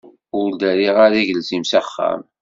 Ur d-rriɣ ara agelzim s axxam.